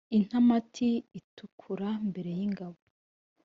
Intamati itikura mbere y' ingabo,